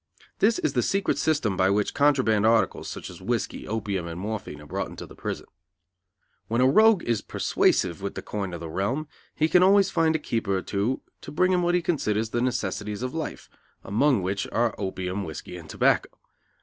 This is the secret system by which contraband articles, such as whiskey, opium and morphine are brought into the prison. When a rogue is persuasive with the coin of the realm he can always find a keeper or two to bring him what he considers the necessaries of life, among which are opium, whiskey and tobacco.